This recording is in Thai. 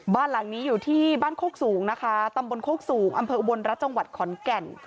บ้านหลังนี้อยู่ที่บ้านโคกสูงนะคะตำบลโคกสูงอำเภออุบลรัฐจังหวัดขอนแก่น